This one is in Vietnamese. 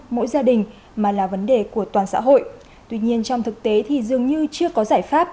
mỗi gia đình mà là vấn đề của toàn xã hội tuy nhiên trong thực tế thì dường như chưa có giải pháp